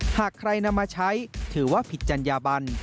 หากใครนำมาใช้ถือว่าผิดจัญญาบัน